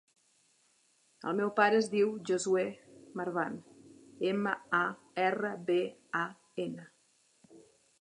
El meu pare es diu Josuè Marban: ema, a, erra, be, a, ena.